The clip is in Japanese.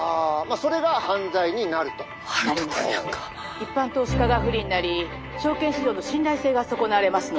「一般投資家が不利になり証券市場の信頼性が損なわれますので」。